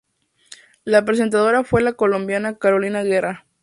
La presentadora fue la colombiana Carolina Guerra.